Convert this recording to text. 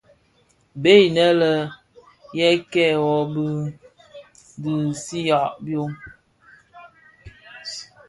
Bèè inë yê kêê wôôgh i digsigha byôm.